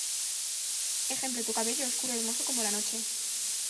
Ejemplo: Tu cabello oscuro hermoso como la noche.